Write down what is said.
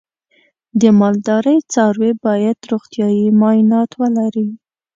د مالدارۍ څاروی باید روغتیايي معاینات ولري.